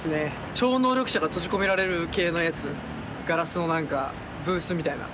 超能力者が閉じ込められる系のやつ、ガラスのなんかブースみたいな。